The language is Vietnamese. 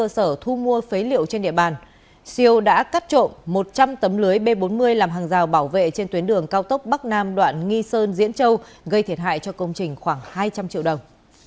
siêu đã cắt trộm một trăm linh tấm lưới b bốn mươi làm hàng rào bảo vệ trên tuyến đường cao tốc bắc nam đoạn nghi sơn diễn châu gây thiệt hại cho công trình khoảng hai trăm linh triệu đồng